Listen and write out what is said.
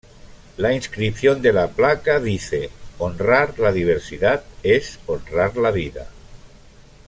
La inscripción de la placa dice: "Honrar la diversidad es honrar la vida.